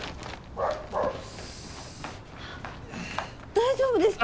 大丈夫ですか？